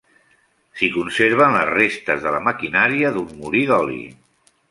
S'hi conserven les restes de la maquinària d'un molí d'oli.